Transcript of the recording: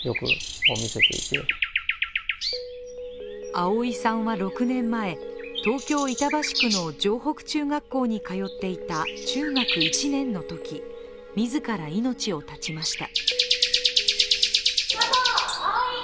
碧さんは６年前、東京・板橋区の城北中学校に通っていた中学１年のとき、自ら命を絶ちました。